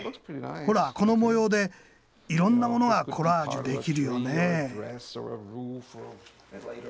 ほらこの模様でいろんなものがコラージュできるよね。